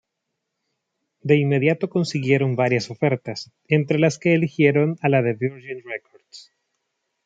De inmediato consiguieron varias ofertas, entre las que eligieron a la de Virgin Records.